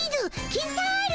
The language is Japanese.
キンタール！